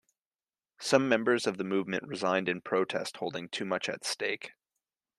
Some members of the movement resigned in protest, holding too much at stake.